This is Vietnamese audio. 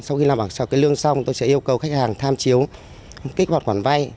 sau khi làm bạc sau cây lương xong tôi sẽ yêu cầu khách hàng tham chiếu kích hoạt quản vay